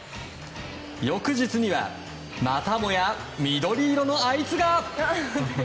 翌日にはまたもや緑色のあいつが。